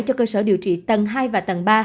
cho cơ sở điều trị tầng hai và tầng ba